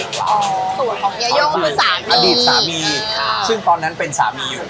สูตรของเยยโยงสามีค่ะอ๋อคืออดีตสามีครับซึ่งตอนนั้นเป็นสามีอยู่